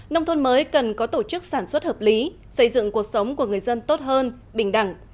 nông thôn mới cần có tổ chức sản xuất hợp lý xây dựng cuộc sống của người dân tốt hơn bình đẳng